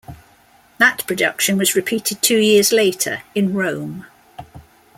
That production was repeated two years later in Rome.